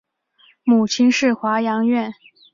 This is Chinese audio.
母亲是华阳院。